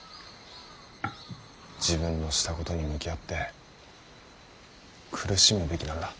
自分のしたことに向き合って苦しむべきなんだ。